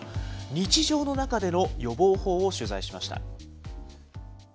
日常の中での予防法を取材しました。